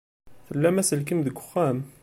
Tlam aselkim deg uxxam?